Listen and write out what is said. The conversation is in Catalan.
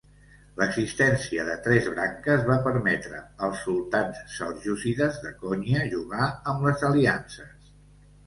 L'existència de tres branques va permetre als sultans seljúcides de Konya jugar amb les aliances.